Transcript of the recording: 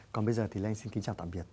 còn bây giờ thì lê anh xin kính chào tạm biệt